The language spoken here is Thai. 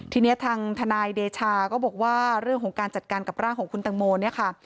ทีนี้ทางทนายเดชาก็บอกว่าเรื่องของการจัดการกับร่างของคุณตังโมเนี่ยค่ะ